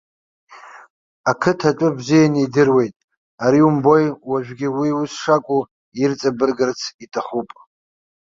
Ақыҭа атәы бзиан идыруеит, ари умбои, уажәгьы уи ус шакәу ирҵабыргырц иҭахуп.